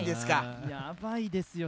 やばいですよ。